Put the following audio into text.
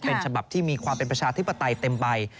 เป็นฉบับที่มีความเป็นประชาธิปไตยเต็มใบ